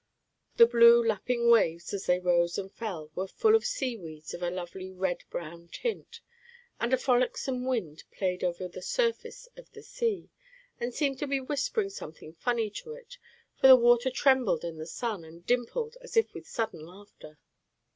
The blue lapping waves, as they rose and fell, were full of sea weeds of a lovely red brown tint, and a frolicsome wind played over the surface of the sea, and seemed to be whispering something funny to it, for the water trembled in the sun and dimpled as if with sudden laughter.